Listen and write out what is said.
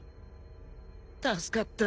助かった。